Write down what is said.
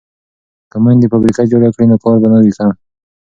که میندې فابریکه جوړ کړي نو کار به نه وي کم.